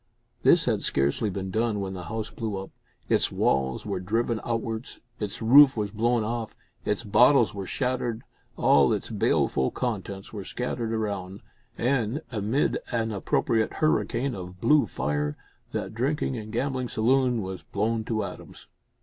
This had scarcely been done when the house blew up its walls were driven outwards, its roof was blown off, its bottles were shattered, all its baleful contents were scattered around, and, amid an appropriate hurricane of blue fire, that drinking and gambling saloon was blown to atoms.